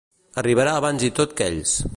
Arribarà abans i tot que ells.